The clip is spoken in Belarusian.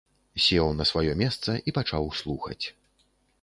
Сеў на сваё месца і пачаў слухаць.